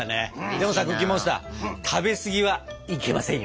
でもさクッキーモンスター食べすぎはいけませんよ。